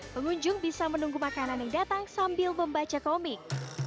pengunjung bisa menunggu makanan yang datang sambil membaca komik